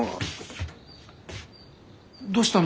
どうしたの？